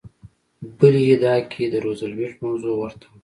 بلې ادعا کې د روزولټ موضوع ورته وه.